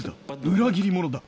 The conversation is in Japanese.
裏切り者だ。